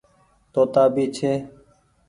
توتآ ڀي ڇي۔